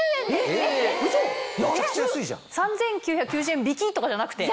３９９０円引きとかじゃなくて？